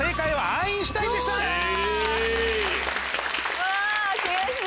うわ悔しい！